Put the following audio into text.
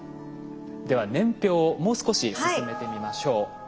では年表をもう少し進めてみましょう。